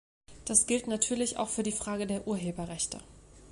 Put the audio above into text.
Das gilt natürlich auch für die Frage der Urheberrechte.